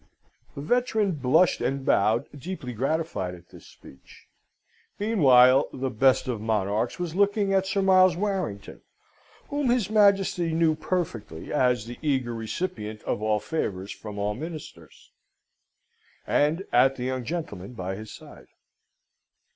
The veteran blushed and bowed, deeply gratified at this speech. Meanwhile, the Best of Monarchs was looking at Sir Miles Warrington (whom his Majesty knew perfectly, as the eager recipient of all favours from all Ministers), and at the young gentleman by his side.